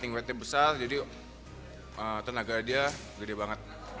tingkatnya besar jadi tenaga dia gede banget